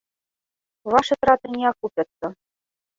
Вашы траты не акупяцца.